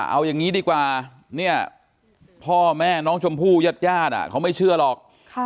เอาอย่างนี้ดีกว่าเนี่ยพ่อแม่น้องชมพู่ญาติญาติเขาไม่เชื่อหรอก